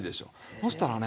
ほしたらね